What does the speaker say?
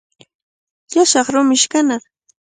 Llasaq rumichi kanaq.